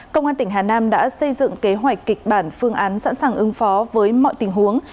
công an tỉnh hà nam đã xây dựng kế hoạch kịch bản phương án sẵn sàng ứng phó với mọi tình huống